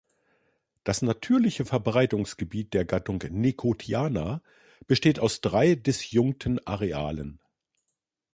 Das natürliche Verbreitungsgebiet der Gattung "Nicotiana" besteht aus drei disjunkten Arealen.